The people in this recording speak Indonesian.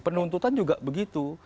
penuntutan juga begitu